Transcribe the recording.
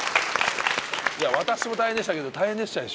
いや私も大変でしたけど大変でしたでしょ？